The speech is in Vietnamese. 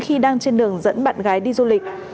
khi đang trên đường dẫn bạn gái đi du lịch